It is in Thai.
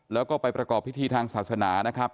แล้วก็ไปประกอบพิธีทางศาสนานะครับ